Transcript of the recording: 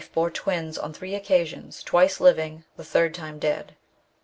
143 bore twins on three occasions, twice living, the third time dead.